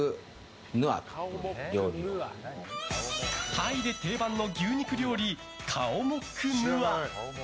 タイで定番の牛肉料理カオモックヌア。